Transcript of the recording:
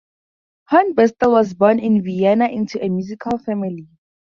Hornbostel was born in Vienna into a musical family.